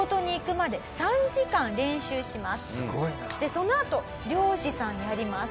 そのあと漁師さんやります。